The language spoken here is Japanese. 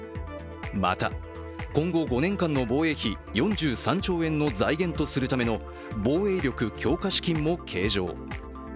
また今後５年間の防衛費４３兆円の財源とするための防衛力強化資金も計上。